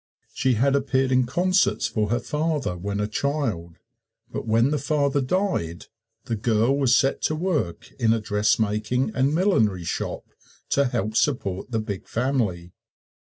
She had appeared in concerts for her father when a child. But when the father died, the girl was set to work in a dressmaking and millinery shop, to help support the big family.